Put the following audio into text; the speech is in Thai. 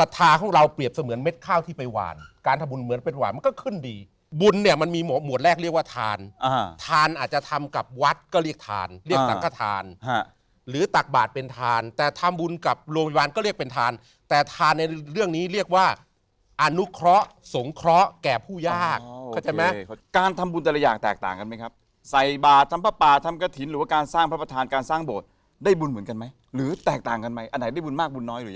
สถานที่เป็นดินที่มีเนื้อดีสถานที่มีเนื้อดีสถานที่มีเนื้อดีสถานที่มีเนื้อดีสถานที่มีเนื้อดีสถานที่มีเนื้อดีสถานที่มีเนื้อดีสถานที่มีเนื้อดีสถานที่มีเนื้อดีสถานที่มีเนื้อดีสถานที่มีเนื้อดีสถานที่มีเนื้อดีสถานที่มีเนื้อดีสถานที่มีเนื้อดีสถานที่มีเนื้อดีสถาน